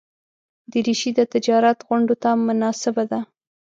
دریشي د تجارت غونډو ته مناسبه ده.